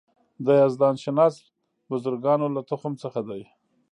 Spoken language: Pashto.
د یزدان شناس بزرګانو له تخم څخه دی.